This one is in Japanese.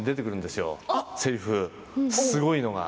すごいのが。